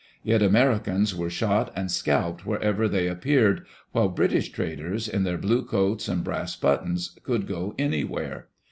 Yet Americans were shot and scalped wherever they ap peared, while British traders, in their blue coats and brass buttons, could go anywhere.